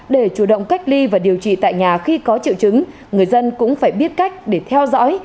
để chủ động cách ly và điều trị tại nhà khi có triệu chứng người dân cũng phải biết cách để theo dõi